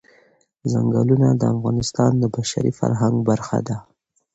ځنګلونه د افغانستان د بشري فرهنګ برخه ده.